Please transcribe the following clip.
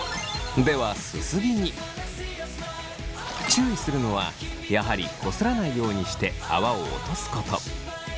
注意するのはやはりこすらないようにして泡を落とすこと。